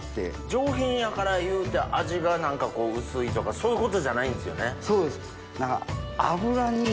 上品やからいうて味が薄いとかそういうことじゃないんすよね。